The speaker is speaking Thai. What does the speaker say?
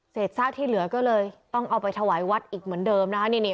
ซากที่เหลือก็เลยต้องเอาไปถวายวัดอีกเหมือนเดิมนะคะ